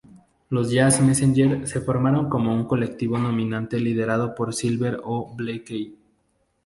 Los Jazz Messengers se formaron como un colectivo, nominalmente liderado por Silver o Blakey.